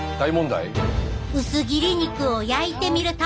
薄切り肉を焼いてみると。